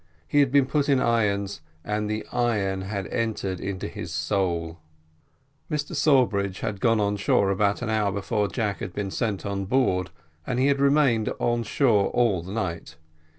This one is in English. He had been put in irons, and the iron had entered into his soul. Mr Sawbridge had gone on shore about an hour before Jack had been sent on board, and he had remained on shore all the night.